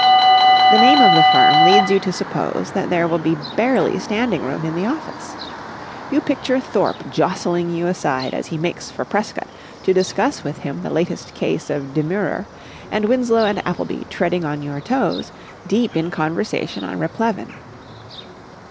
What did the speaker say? The name of the firm leads you to suppose that there will be barely standing room in the office. You picture Thorpe jostling you aside as he makes for Prescott to discuss with him the latest case of demurrer, and Winslow and Appleby treading on your toes, deep in conversation on replevin.